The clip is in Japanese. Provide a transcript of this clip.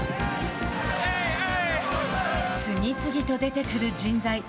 次々と出てくる人材。